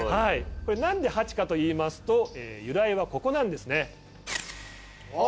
これなんでハチかといいますと由来はここなんですね。